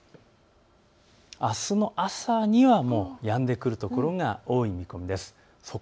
あすの朝にはもうやんでくる所が多い見込みです。